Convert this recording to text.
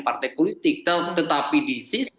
partai politik tetapi di sisi